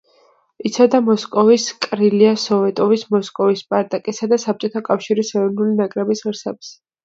იცავდა მოსკოვის „კრილია სოვეტოვის“, მოსკოვის „სპარტაკისა“ და საბჭოთა კავშირის ეროვნული ნაკრების ღირსებას.